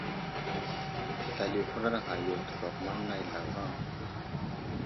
Slal i huraɗ ghay yo tefakuma nay zlavaŋ.